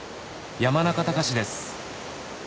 山中崇です